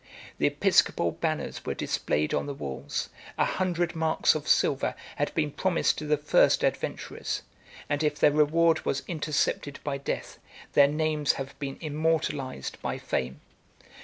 81 The episcopal banners were displayed on the walls; a hundred marks of silver had been promised to the first adventurers; and if their reward was intercepted by death, their names have been immortalized by fame.